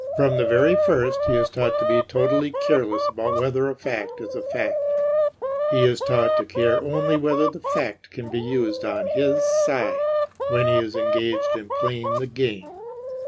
From the very first he is taught to be totally careless about whether a fact is a fact; he is taught to care only whether the fact can be used on his "side" when he is engaged in "playing the game."